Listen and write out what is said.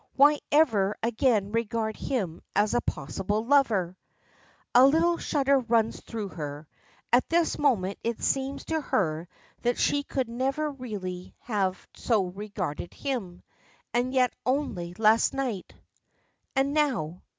Why ever again regard him as a possible lover! A little shudder runs through her. At this moment it seems to her that she could never really have so regarded him. And yet only last night And now.